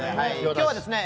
今日はですね